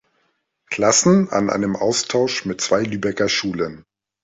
Klassen an einem Austausch mit zwei Lübecker Schulen.